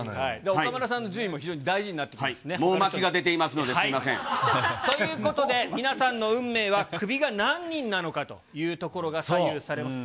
岡村さんの順位も非常に大事もう巻きが出ていますので、ということで、皆さんの運命は、クビが何人なのかというところが左右されると。